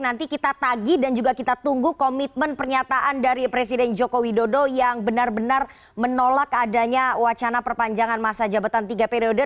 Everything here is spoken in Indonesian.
nanti kita tagi dan juga kita tunggu komitmen pernyataan dari presiden joko widodo yang benar benar menolak adanya wacana perpanjangan masa jabatan tiga periode